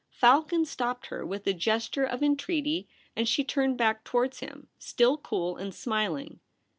Falcon stopped her with a oresture of entreaty, and she turned back towards him, still cool and smiling.